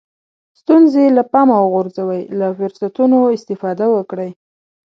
ستونزې له پامه وغورځوئ له فرصتونو استفاده وکړئ.